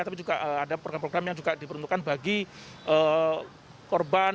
tapi juga ada program program yang juga diperuntukkan bagi korban